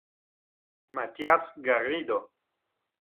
Matías Garrido